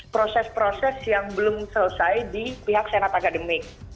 proses proses yang belum selesai di pihak senat akademik